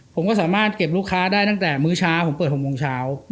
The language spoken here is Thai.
ผมก็สามารถเก็บลูกค้าได้ตั้งแต่มื้อเช้าผมเปิด๖โมงเช้า